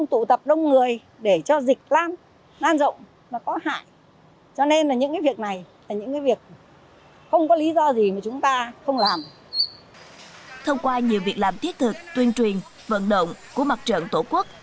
thông qua nhiều việc làm thiết thực tuyên truyền vận động của mặt trận tổ quốc